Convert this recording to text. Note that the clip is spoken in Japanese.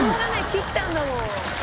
切ったんだもん」